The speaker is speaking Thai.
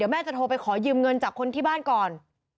แม่จะโทรไปขอยืมเงินจากคนที่บ้านก่อน